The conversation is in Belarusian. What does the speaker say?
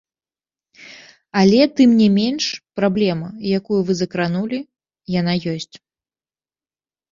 Але тым не менш, праблема, якую вы закранулі, яна ёсць.